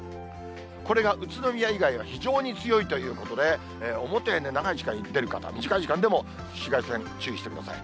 これが宇都宮以外は非常に強いということで、表へ長い時間出る方は短い時間でも紫外線、注意してください。